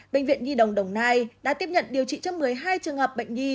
bệnh viện nhi đồng đồng nai đã tiếp nhận điều trị cho một mươi hai trường hợp bệnh nhi